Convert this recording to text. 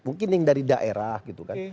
mungkin yang dari daerah gitu kan